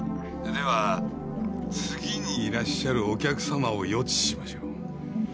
では次にいらっしゃるお客様を予知しましょう。